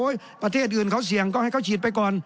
ประเทศอื่นเขาเสี่ยงก็ให้เขาฉีดไปก่อน